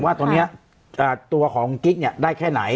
ว่าตอนนี้ตัวของกิ๊กเนี่ยได้แค่ไหน